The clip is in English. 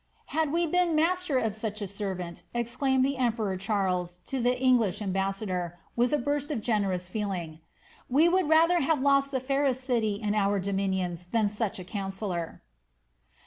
^ Had we been master of such a servant," exclaimed the emperor Charles to the English ambassador, with a burst of generous feelinr, ^ we would rather have lost the fairest city in our dominions than sudi a counsellor."